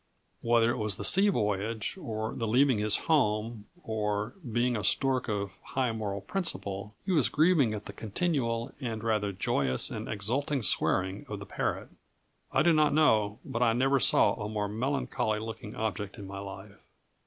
Whether it was the sea voyage, or the leaving his home, or, being a stork of high moral principle, he was grieving at the continual, and rather joyous and exulting swearing of the parrot, I do not know, but I never saw a more melancholy looking object in my life.